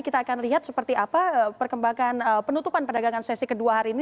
kita akan lihat seperti apa perkembangan penutupan perdagangan sesi kedua hari ini